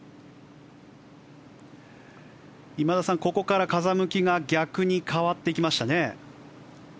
今田さん、ここから風向きが逆に変わっていきましたね。